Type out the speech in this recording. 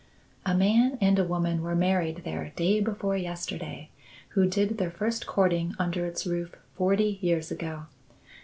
A man and a woman were married there day before yesterday who did their first courting under its roof forty years ago.